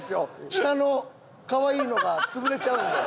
下のかわいいのが潰れちゃうんで。